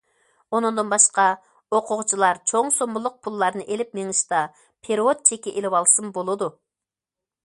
ئۇنىڭدىن باشقا ئوقۇغۇچىلار چوڭ سوممىلىق پۇللارنى ئېلىپ مېڭىشتا پېرېۋوت چېكى ئېلىۋالسىمۇ بولىدۇ.